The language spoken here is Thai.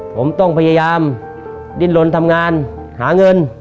ผมต้องพยายามดิ้นลนทำงานหาเงิน